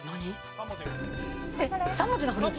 ３文字のフルーツ？